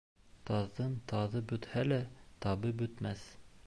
Таҙҙың таҙы бөтһә лә, табы бөтмәҫ.